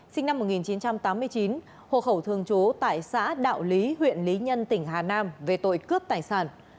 sinh năm một nghìn chín trăm tám mươi chín hộ khẩu thường trú tại xã đạo lý huyện lý nhân tỉnh hà nam về tội cướp tài sản